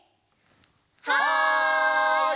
はい！